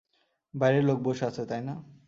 বাইরে লোক বসে আছে, তাই না?